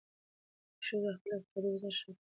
ښځې خپل اقتصادي وضعیت ښه کوي.